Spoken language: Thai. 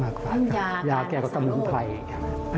เรื่องยาการรักษาโรคยาแก่กับกรรมไพร